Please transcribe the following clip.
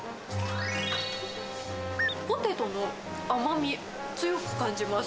ポテトの甘み、強く感じます。